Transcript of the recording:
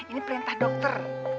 ini perintah dokter